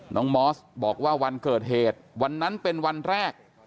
มอสบอกว่าวันเกิดเหตุวันนั้นเป็นวันแรก